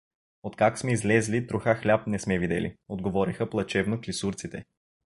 — Откак сме излезли, троха хляб не сме видели — отговориха плачевно клисурците.